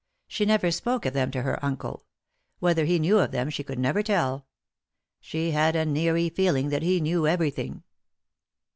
She never spoke of them to her uncle ; whether he knew of them she could never tell ; she had an eerie feeling that he knew everything.